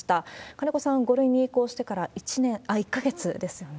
金子さん、５類に移行してから１か月ですよね。